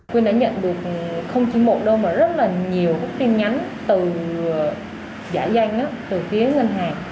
quyên đã nhận được không chỉ một đâu mà rất là nhiều tin nhắn từ giả danh từ phía ngân hàng